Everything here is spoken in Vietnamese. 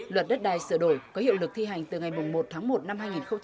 luật đất đai sửa đổi có hiệu lực thi hành từ ngày một tháng một năm hai nghìn hai mươi